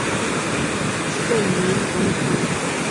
本名融成。